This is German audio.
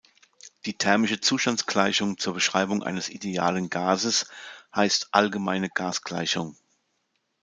Die thermische Zustandsgleichung zur Beschreibung eines idealen Gases heißt "allgemeine Gasgleichung".